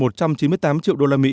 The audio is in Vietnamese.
một trăm chín mươi tám triệu usd